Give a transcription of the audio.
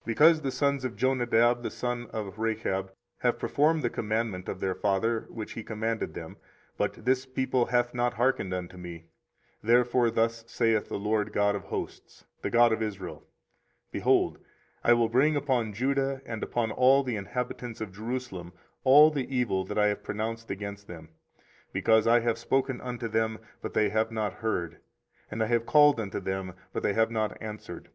24:035:016 Because the sons of Jonadab the son of Rechab have performed the commandment of their father, which he commanded them; but this people hath not hearkened unto me: 24:035:017 Therefore thus saith the LORD God of hosts, the God of Israel; Behold, I will bring upon Judah and upon all the inhabitants of Jerusalem all the evil that I have pronounced against them: because I have spoken unto them, but they have not heard; and I have called unto them, but they have not answered.